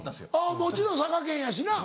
もちろん佐賀県やしな。